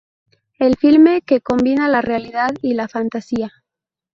El filme, que combina la realidad y la fantasía.